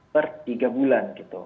per tiga bulan gitu